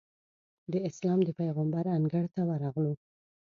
د اسلام د پېغمبر انګړ ته ورغلو.